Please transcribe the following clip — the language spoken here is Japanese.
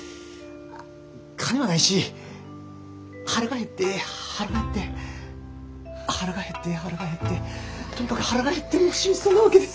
金はないし腹が減って腹が減って腹が減って腹が減ってとにかく腹が減ってもう死にそうなわけで。